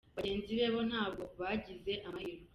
Bagenzi be bo ntabwo bagize amahirwe.